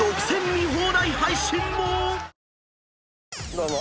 どうも。